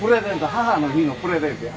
母の日のプレゼントや。